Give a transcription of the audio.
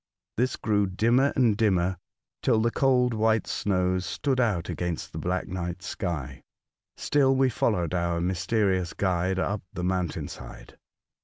This grew dimmer and dimmer, till the cold, white snows stood out against the black night sky. Still we followed our mysterious guide up the mountain side.